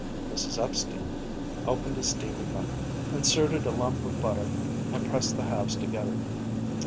Mrs. Epstein opened a steaming muffin, inserted a lump of butter, and pressed the halves together.